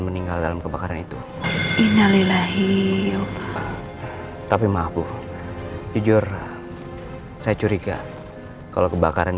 tinggal dalam kebakaran itu innalillahi ya allah tapi maaf bu jujur saya curiga kalau kebakaran